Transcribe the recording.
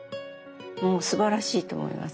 もうすばらしいと思います。